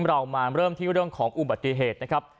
เรามาเริ่มที่เรื่องของอุบัติเหตุนะครับ